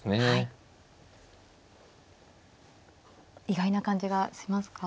意外な感じがしますか？